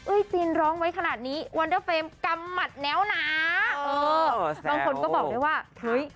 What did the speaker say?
จีนร้องไว้ขนาดนี้วันเดอร์เฟรมกำหมัดแนวหนาเออบางคนก็บอกได้ว่าเฮ้ย